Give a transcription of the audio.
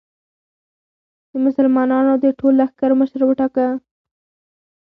د مسلمانانو د ټول لښکر مشر وټاکه.